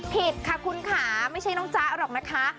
ผิดค่ะคุณค่ะไม่ใช่น้องจ๊ะหรอกนะคะ